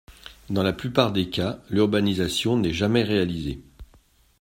Dans la plupart des cas, l’urbanisation n’est jamais réalisée.